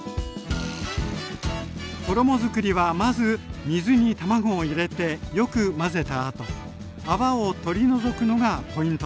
衣づくりはまず水に卵を入れてよく混ぜたあと泡を取り除くのがポイントです。